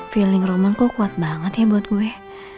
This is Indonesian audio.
feeling roman kok kuat banget ya buat gue